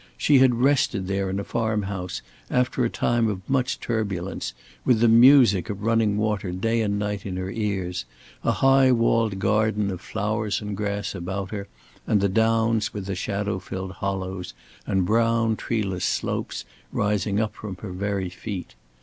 She had rested there in a farm house, after a time of much turbulence, with the music of running water night and day in her ears, a high walled garden of flowers and grass about her, and the downs with the shadow filled hollows, and brown treeless slopes rising up from her very feet.